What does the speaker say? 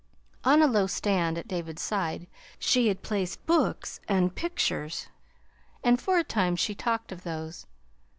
On a low stand at David's side she had placed books and pictures, and for a time she talked of those.